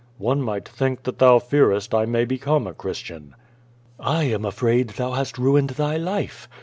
"One might think that thou fearest I may become a Chris tian." "I am afraid thou hast ruined thy life.